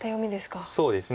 そうですね。